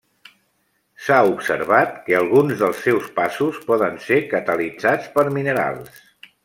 S'ha observat que alguns dels seus passos poden ser catalitzats per minerals.